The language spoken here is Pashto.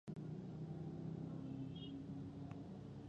محمد عارف تنگي وردک کې ژوند کوي